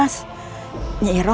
aku siap ngebantu